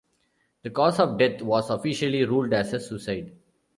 The cause of death was officially ruled as a suicide.